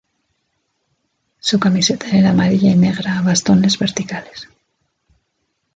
Su camiseta era amarilla y negra a bastones verticales.